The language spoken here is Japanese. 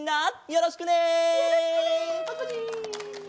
よろしくね！